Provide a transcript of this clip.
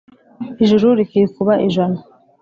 ijuru rikikuba ijana